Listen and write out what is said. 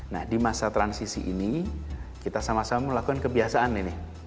nah di masa transisi ini kita sama sama melakukan kebiasaan ini